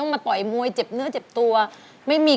กระแซะเข้ามาสิ